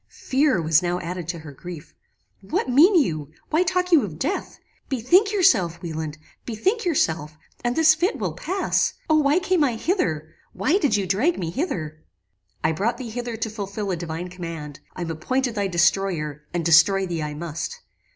"Fear was now added to her grief. 'What mean you? Why talk you of death? Bethink yourself, Wieland: bethink yourself, and this fit will pass. O why came I hither! Why did you drag me hither?' "I brought thee hither to fulfil a divine command. I am appointed thy destroyer, and destroy thee I must."